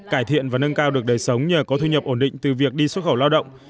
cải thiện và nâng cao được đời sống nhờ có thu nhập ổn định từ việc đi xuất khẩu lao động